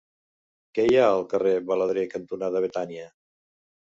Què hi ha al carrer Baladre cantonada Betània?